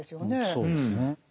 そうですね。